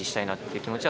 気持ちが。